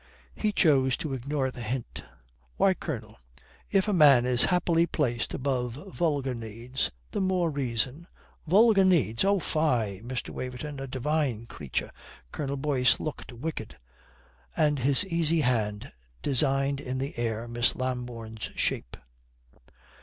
He chose to ignore the hint. "Why, Colonel, if a man is happily placed above vulgar needs, the more reason " "Vulgar needs! Oh, fie, Mr. Waverton. A divine creature." Colonel Boyce looked wicked, and his easy hand designed in the air Miss Lambourne's shape.